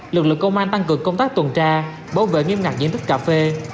lực lượng công an tăng cường công tác tuần tra bảo vệ nghiêm ngặt diện tích cà phê